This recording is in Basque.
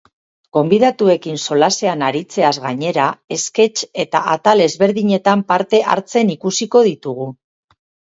Gonbidatuekin solasean aritzeaz gainera, esketx eta atal ezberdinetan parte hartzen ikusiko ditugu.